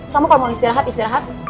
kamu kalau mau istirahat istirahat